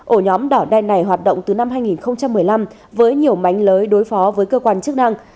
ổ nhóm đỏ đen này hoạt động từ năm hai nghìn một mươi năm với nhiều máy lưới đối phó với cơ quan chức năng